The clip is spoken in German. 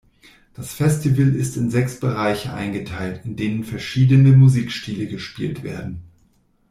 Das Festival ist in sechs Bereiche eingeteilt, in denen verschiedene Musikstile gespielt werden.